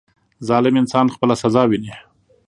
• ظالم انسان خپله سزا ویني.